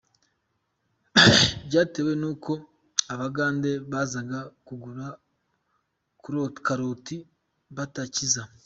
Byatewe n’uko abagande bazaga kugura karoti batakiza.